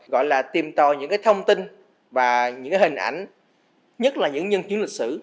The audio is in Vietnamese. gọi là tìm tòi những cái thông tin và những hình ảnh nhất là những nhân chứng lịch sử